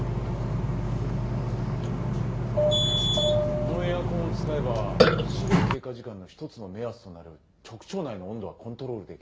このエアコンを使えば死後経過時間の１つの目安となる直腸内の温度はコントロールできる。